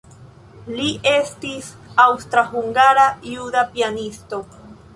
Li estis aŭstra-hungara-juda pianisto.